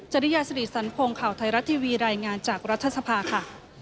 จริยาสิริสันพงศ์ข่าวไทยรัฐทีวีรายงานจากรัฐสภาค่ะ